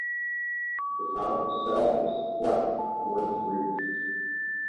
The top itself is flat once reached.